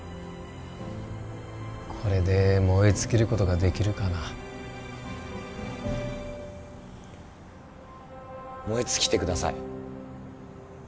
これで燃え尽きることができるかな燃え尽きてください